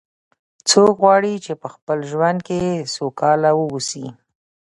څوک غواړي چې په خپل ژوند کې سوکاله و اوسي